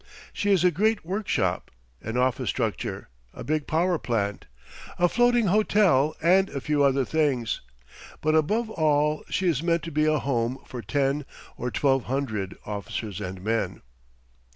She is a great workshop, an office structure, a big power plant, a floating hotel and a few other things. But above all she is meant to be a home for ten or twelve hundred officers and men.